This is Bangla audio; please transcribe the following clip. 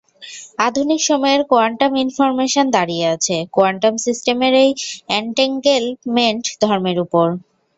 আধুনিক সময়ের কোয়ান্টাম ইনফরমেশন দাঁড়িয়ে আছে কোয়ান্টাম সিস্টেমের এই অ্যান্টেঙ্গেলমেন্ট ধর্মের ওপর।